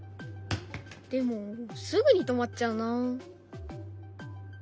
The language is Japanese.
でもすぐに止まっちゃうなあ。